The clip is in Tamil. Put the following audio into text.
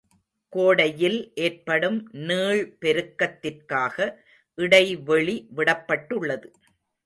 கோடையில் ஏற்படும் நீள்பெருக்கத்திற்காக இடைவெளி விடப்பட்டுள்ளது.